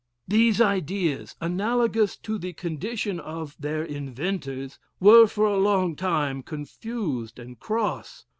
"These ideas, analogous to the condition of their inventors, were for a long time confused and cross.